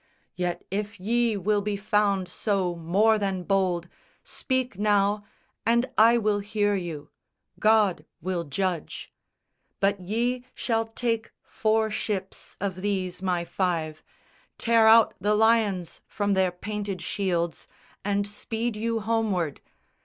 Yet if ye will be found so more than bold, Speak now, and I will hear you; God will judge. But ye shall take four ships of these my five, Tear out the lions from their painted shields, And speed you homeward.